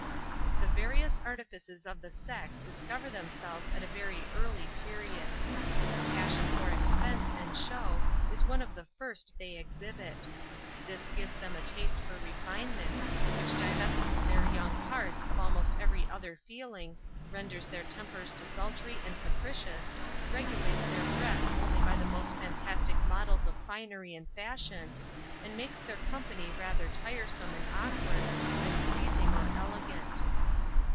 The various artifices of the sex discover themselves at a very early period. A passion for expense and show is one of the first they exhibit. This gives them a taste for refinement, which divests their young hearts of almost every other feeling, renders their tempers desultory and capricious, regulates their dress only by the most fantastic models of finery and fashion, and makes their company rather tiresome and awkward, than pleasing or elegant.